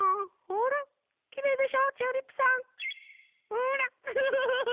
ほらウフフフフ！